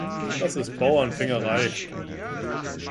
Das ist Bauernfängerei.